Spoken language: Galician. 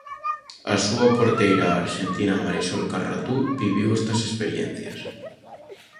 A súa porteira, a arxentina Marisol Carratú, viviu estas experiencias.